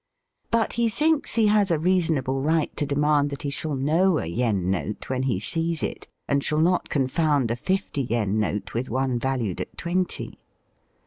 But he thinks he has a reasonable right to demand that he shall know a yen note when he sees it, and shall not con found a fifty yen note with one valued at twenty.